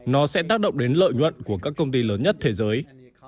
nó sẽ tác động đến lợi nhuận của các công ty lớn nhất thế giới